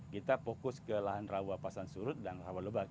kita fokus ke lahan rawa pasan surut dan rawa lebak